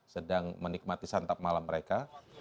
sedang menikmati santap malam mereka